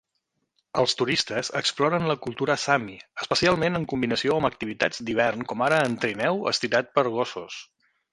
Els turistes exploren la cultura sami, especialment en combinació amb activitats d"hivern com anar en trineu estirat per gossos.